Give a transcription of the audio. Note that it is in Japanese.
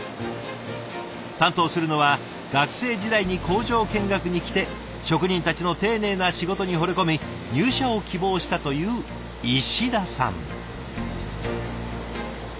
担当するのは学生時代に工場見学に来て職人たちの丁寧な仕事にほれ込み入社を希望したという石田さん。